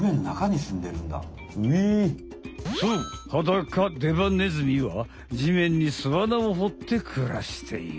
そうハダカデバネズミはじめんにすあなをほってくらしている。